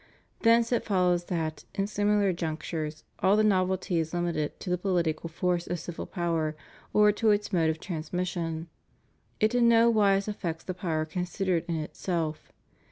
Thence it follows that, in similar junctures, all the novelty is limited to the pohtical form of civil power, or to its mode of transmission ; it in no wise affects the power considered in itself.